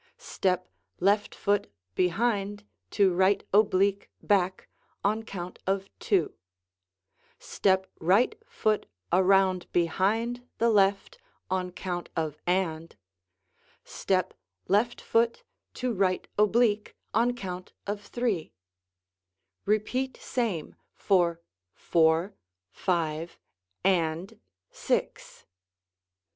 Step left foot behind to right oblique back on count of "two"; step right foot around behind the left on count of "and"; step left foot to right oblique on count of "three"; repeat same for "four," "five," "and," "six."